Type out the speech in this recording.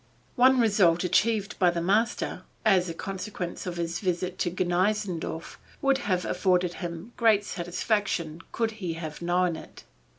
One result achieved by the master as a consequence of his visit to Gneixendorf would have afforded him great satisfaction could he have known it.